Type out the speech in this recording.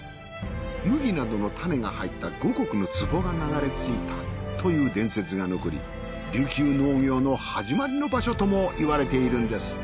麦などの種が入った五穀の壺が流れ着いたという伝説が残り琉球農業の始まりの場所ともいわれているんです。